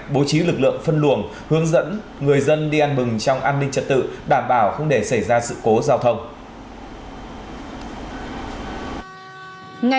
bố trí lực lượng phân luồng hướng dẫn người dân đi ăn mừng trong an ninh trật tự đảm bảo không để xảy ra sự cố giao thông